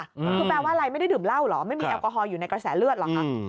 คือแปลว่าอะไรไม่ได้ดื่มเหล้าเหรอไม่มีแอลกอฮอลอยู่ในกระแสเลือดเหรอคะ